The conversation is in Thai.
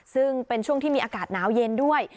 ซึ่งเป็นช่วงที่มีอากาศหนาวเย็นด้วย